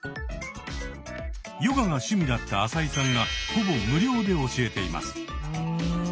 ヨガが趣味だった浅井さんがほぼ無料で教えています。